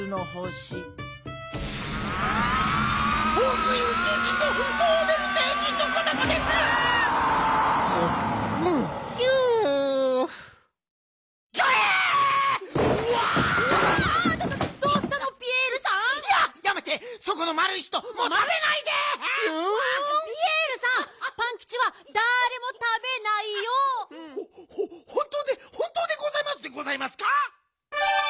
ほほんとうでほんとうでございますでございますか？